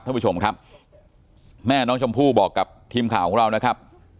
ท่านผู้ชมครับแม่น้องชมพู่บอกกับทีมข่าวของเรานะครับ